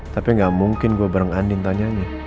tapi gak mungkin gue berengganin tanyanya